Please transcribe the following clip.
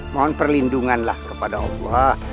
mohon perlindunganlah kepada allah